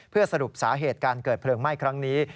เพื่อสรุปสาเหตุการเกิดเพลิงไหม้ครั้งนี้